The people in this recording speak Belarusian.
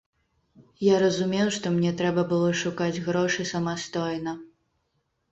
Я разумеў, што мне трэба было шукаць грошы самастойна.